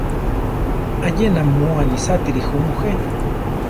Ayena mu anisátiri ju mujé.